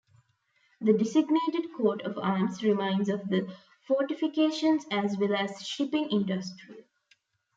The designated coat of arms reminds of the fortifications as well as shipping industry.